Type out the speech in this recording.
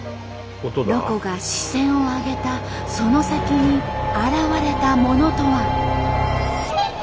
ロコが視線を上げたその先に現れたものとは。